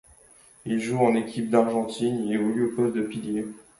Il joue en équipe d'Argentine, il évolue au poste de pilier.